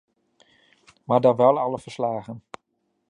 Maar dan wel alle verslagen.